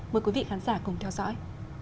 mời quý vị khán giả cùng theo dõi